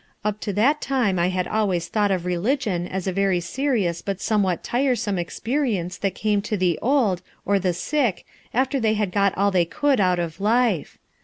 Up to that time I had always thought of religion m a very fcerioai but Bomewhat tire some experience that came to the old, or the sick, after they had got all they could out of life.